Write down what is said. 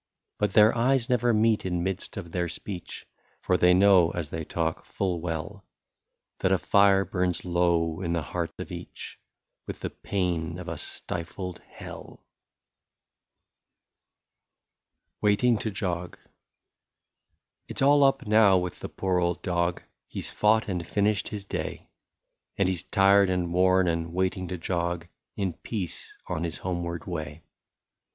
But their eyes never meet in midst of their speech. For they know, as they talk, full well. That a fire burns low in the heart of each, With the pain of a stifled hell. 98 WAITING TO JOG. It 's all up now with the poor old dog — He 's fought and finished his day ; And he 's tired and worn and waiting to jog In peace on his homeward way.